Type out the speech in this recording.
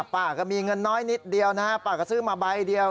ป้าก็มีเงินน้อยนิดเดียวนะฮะป้าก็ซื้อมาใบเดียว